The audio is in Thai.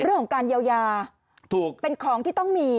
เรื่องของการเยียวยาถูกเป็นของที่ต้องมี